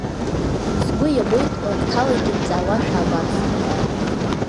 Сгәы иабоит лакҭалагьы дҵаауашәа абас…